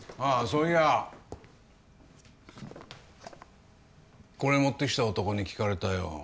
そういやこれ持ってきた男に聞かれたよ